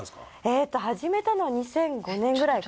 えーと始めたのは２００５年ぐらいからですけど。